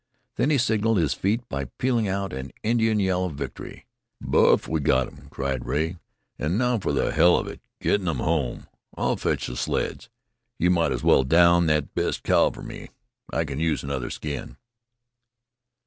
Then he signaled this feat by pealing out an Indian yell of victory. "Buff, we've got 'em," cried Rea; "An' now for the hell of it gettin' 'em home. I'll fetch the sleds. You might as well down thet best cow for me. I can use another skin."